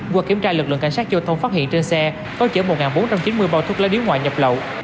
qua kiểm tra lực lượng cảnh sát giao thông phát hiện trên xe có chở một bốn trăm chín mươi bao thuốc lá điếu ngoại nhập lậu